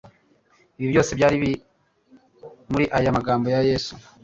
Ibi byose byari muri aya magambo ya Yesu